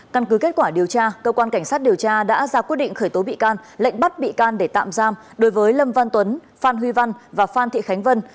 căn cứ kết quả điều tra cơ quan cảnh sát điều tra đã ra quyết định khởi tố bị can lệnh bắt bị can để tạm giam đối với lâm văn tuấn phan huy văn và phan thị khánh vân